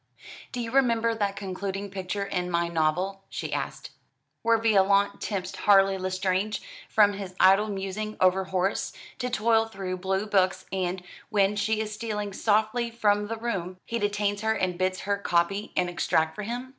"Do you remember that concluding picture in 'My Novel,'" she asked, "where Violante tempts Harley Lestrange from his idle musing over Horace, to toil through blue books; and, when she is stealing softly from the room, he detains her and bids her copy an extract for him?